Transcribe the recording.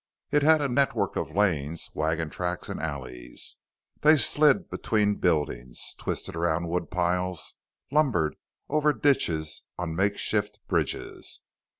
It had a network of lanes, wagon tracks, and alleys. They slid between buildings, twisted around woodpiles, lumbered over ditches on makeshift bridges.